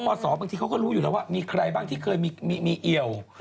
เพราะไม่มีอะไรทำก็ออกกำลังกาย